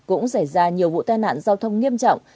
cũng xảy ra nhiều vụ tai nạn giao thông nghiêm trọng